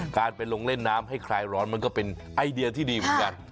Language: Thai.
การไปลงเล่นน้ำให้คลายร้อนมันก็เป็นไอเดียที่ดีเหมือนกัน